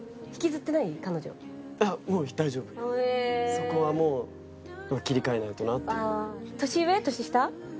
そこはもう切り替えないとなっていう。